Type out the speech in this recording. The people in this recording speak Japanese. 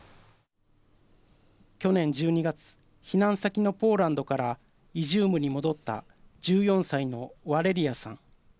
去年１２月避難先のポーランドからイジュームに戻った１４歳のワレリアさん。